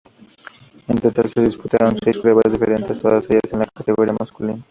En total se disputaron seis pruebas diferentes, todas ellas en la categoría masculina.